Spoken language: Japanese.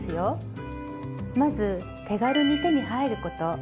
まず手軽に手に入ること。